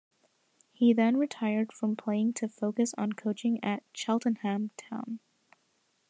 He then retired from playing to focus on coaching at Cheltenham Town.